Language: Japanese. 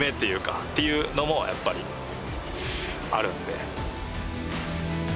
っていうのもやっぱりあるんで。